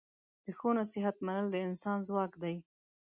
د ښو نصیحت منل د انسان ځواک دی.